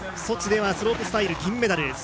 ソチではスロープスタイル銀メダル。